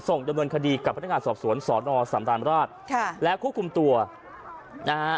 ส่งดำเนินคดีกับพนักงานสอบสวนสอนอสำราญราชค่ะและควบคุมตัวนะฮะ